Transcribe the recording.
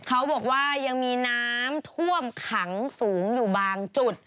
เขาบอกว่ายังมีน้ำท่วมขังสูงอยู่บางจุด